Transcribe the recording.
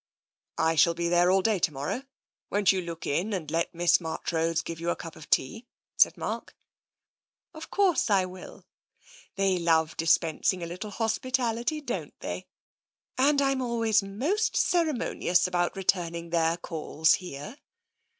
*' I shall be in there all day to morrow. Won't you look in and let Miss Marchrose give you a cup of tea? '* said Mark. 0f course I will. They love dispensing a little hospitality, don't they, and I'm always most ceremoni ous about returning their calls here.